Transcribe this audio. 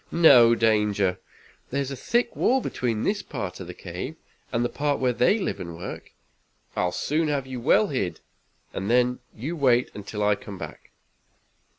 "No danger. There is a thick wall between this part of the cave, and the part where they live and work. I'll soon have you well hid, and then you wait until I come back."